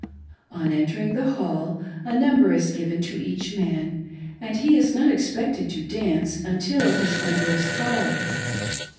On entering the hall, a number is given to each man, and he is not expected to dance until his number is called.